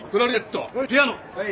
はい。